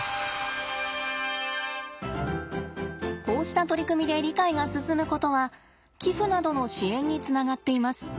こうした取り組みで理解が進むことは寄付などの支援につながっています。